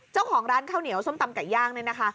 เจ้าของร้านข้าวเหนียวส้มตำไก่ย่างเนี่ยนะคะ